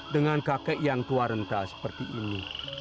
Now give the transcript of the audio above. dengan kakek yang tua rendah seperti ini